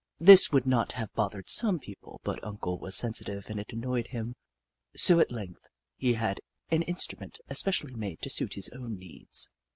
This would not have bothered some people, but Uncle was sensitive and it annoyed him, so at length he had an instru ment especially made to suit his own needs.